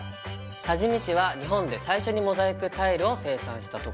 多治見市は日本で最初にモザイクタイルを生産したところ。